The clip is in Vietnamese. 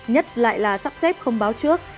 nhất lại là sắp xếp không báo trước